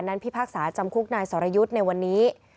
พิพากษาจำคุกนายสรยุทธ์ในวันนี้